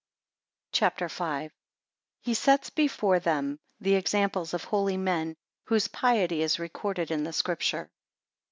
CHAPTER V. 1 He sets before them the examples of holy men, whose piety is recorded in the Scripture.